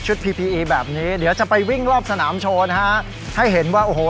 พีพีอีแบบนี้เดี๋ยวจะไปวิ่งรอบสนามโชว์นะฮะให้เห็นว่าโอ้โห